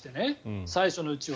最初のうちは。